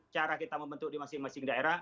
cara kita membentuk di masing masing daerah